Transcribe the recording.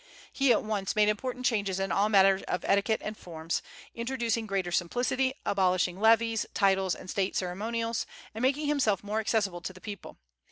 He at once made important changes in all matters of etiquette and forms, introducing greater simplicity, abolishing levees, titles, and state ceremonials, and making himself more accessible to the people.